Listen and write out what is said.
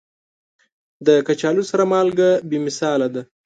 د کچالو سره مالګه بې مثاله ده.